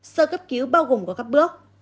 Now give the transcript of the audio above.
sơ cấp cứu bao gồm có các bước